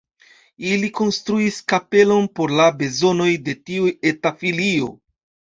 Ili konstruis kapelon por la bezonoj de tiu eta filio.